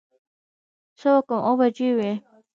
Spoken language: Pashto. څه کم اووه بجې وې.